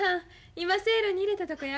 今せいろに入れたとこや。